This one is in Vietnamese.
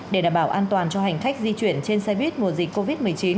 để đảm bảo an toàn cho hành khách di chuyển trên xoay viết mùa dịch covid một mươi chín